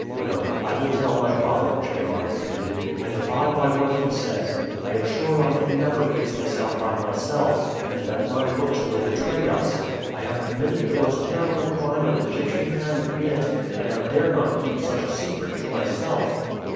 "No; I will tell my father," Chebron repeated, "and abide by what he says. I am sure I can never face this out by myself, and that my looks will betray us. I have committed the most terrible crime an Egyptian can commit, and I dare not keep such a secret to myself."